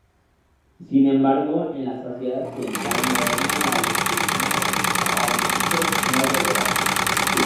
Sin embargo, en la sociedad occidental moderna la adscripción a linajes no es relevante.